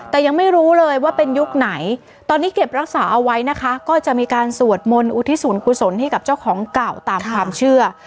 แต่ยังไม่รู้เลยว่าเป็นยุคไหนตอนนี้เก็บรักษาเอาไว้นะคะก็จะมีการสวดมนต์อุทิศศูนย์กุศลให้กับเจ้าของเก่าตามความเชื่อ